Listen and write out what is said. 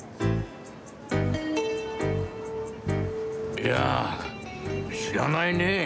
いやあ知らないねえ。